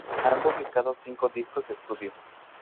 Han publicado cinco discos de estudio.